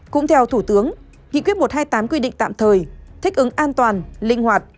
cũng theo thủ tướng nghị quyết một trăm hai mươi tám quy định tạm thời thích ứng an toàn linh hoạt